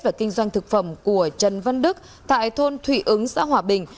và kinh doanh thực phẩm của trần văn đức tại thôn thụy ứng xã hòa bình